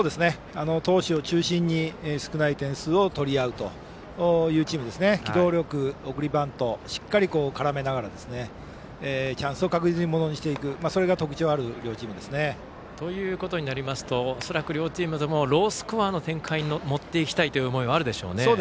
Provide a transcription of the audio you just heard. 投手を中心に少ない点数を取り合うチームで機動力、送りバントしっかり絡めながらチャンスを確実にものにしていくのがということになると恐らく両チームともロースコアの展開に持っていきたいという思いはあるでしょうね。